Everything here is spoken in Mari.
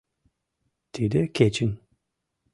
Тиде кечын